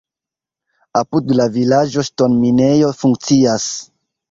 Apud la vilaĝo ŝtonminejo funkcias.